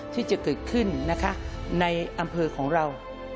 ที่จะเกิดขึ้นนะคะในอำเภอของเรา